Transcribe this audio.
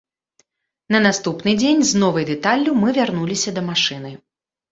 На наступны дзень з новай дэталлю мы вярнуліся да машыны.